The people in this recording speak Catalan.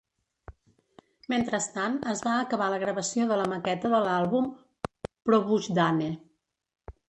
Mentrestant, es va acabar la gravació de la maqueta de l'àlbum "Probujdane".